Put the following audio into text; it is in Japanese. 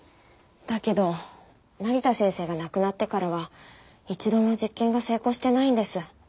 だけど成田先生が亡くなってからは一度も実験が成功してないんです。